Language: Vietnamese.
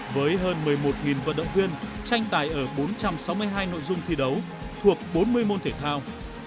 với hơn một mươi một vận động viên tranh tài ở bốn trăm sáu mươi hai nội dung thi đấu thuộc bốn mươi môn thể thao